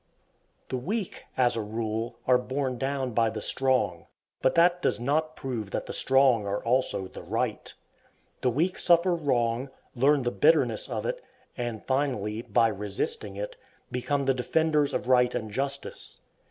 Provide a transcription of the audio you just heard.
The weak, as a rule, are borne down by the strong; but that does not prove that the strong are also the right. The weak suffer wrong, learn the bitterness of it, and finally, by resisting it, become the defenders of right and justice.